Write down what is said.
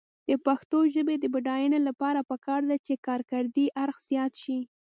د پښتو ژبې د بډاینې لپاره پکار ده چې کارکردي اړخ زیات شي.